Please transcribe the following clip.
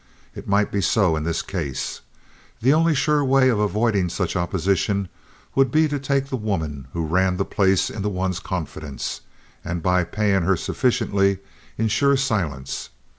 It might be so in this case. The only sure way of avoiding such opposition would be to take the woman who ran the place into one's confidence, and by paying her sufficiently insure silence.